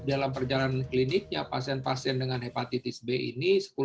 dalam perjalanan kliniknya pasien pasien dengan hepatitis b ini